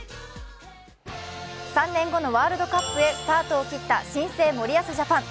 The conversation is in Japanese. ３年後のワールドカップへスタートを切った新生・森保ジャパン。